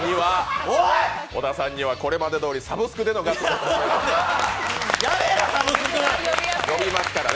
小田さんにはこれまでどおりサブスクでの出演を、呼びますからね。